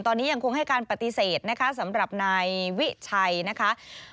ตอนนี้ยังคงให้การปฏิเสธนะคะสำหรับนายวิชัยนะคะ